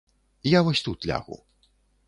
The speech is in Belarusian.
Я вось тут лягу.